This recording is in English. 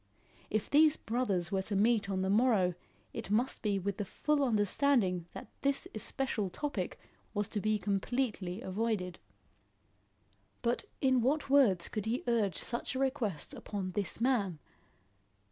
If these brothers were to meet on the morrow, it must be with the full understanding that this especial topic was to be completely avoided. But in what words could he urge such a request upon this man?